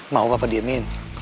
mau papa diemin